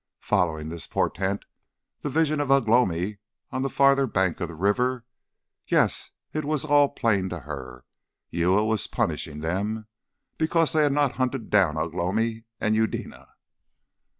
Following this portent, the vision of Ugh lomi on the farther bank of the river.... Yes, it was all plain to her. Uya was punishing them, because they had not hunted down Ugh lomi and Eudena.